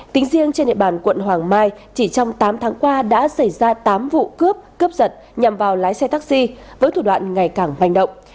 tính riêng trên địa bàn quận hoàng mai chỉ trong tám tháng qua đã xảy ra tám vụ cướp cướp giật nhằm vào lái xe taxi với thủ đoạn ngày càng hoành động